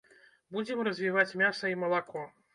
Будзем развіваць мяса і малако.